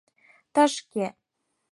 Тышке!